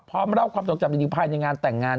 พร้อมเล่าความสนุกจำนิดหนึ่งภายในงานแต่งงาน